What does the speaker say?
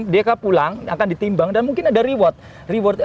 mereka pulang akan ditimbang dan mungkin ada reward